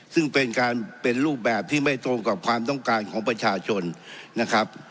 ซึ่งเป็นการเป็นรูปแบบที่ไม่ตรงกับความต้องการของประชาชนนะครับ